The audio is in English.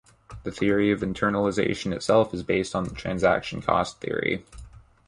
The theory of internalization itself is based on the transaction cost theory.